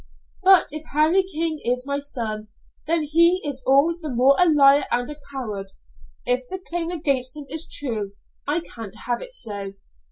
But if Harry King is my son, then he is all the more a liar and a coward if the claim against him is true. I can't have it so."